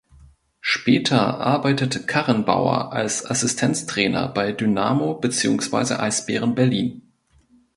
Später arbeitet Karrenbauer als Assistenztrainer bei Dynamo beziehungsweise Eisbären Berlin.